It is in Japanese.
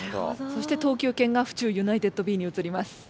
そして投球けんが府中ユナイテッドＢにうつります。